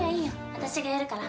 私がやるから。